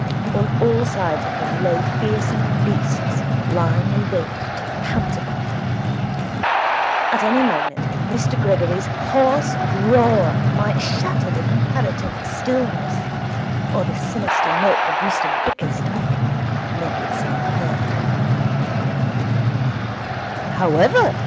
On all sides of him lay fearsome beasts, lying in wait to pounce upon him. At any moment Mr Gregory's hoarse roar might shatter the comparative stillness, or the sinister note of Mr Bickersdyke make itself heard.